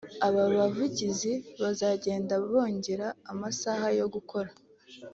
baba abaguzi bazagenda bongera amasaha yo gukora